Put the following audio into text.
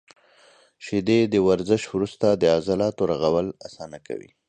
• شیدې د ورزش وروسته د عضلاتو رغول اسانه کوي.